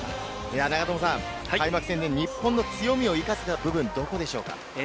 開幕戦で日本の強みを生かせた部分どこでしょうか？